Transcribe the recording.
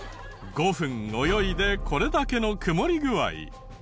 ５分泳いでこれだけの曇り具合。